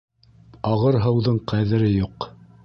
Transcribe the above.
Ағыр һыуҙың ҡәҙере юҡ.